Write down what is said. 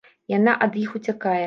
Яна ад іх уцякае.